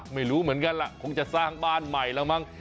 ไม่รู้เหมือนกันล่ะคงจะสร้างบ้านใหม่แล้วมั้ง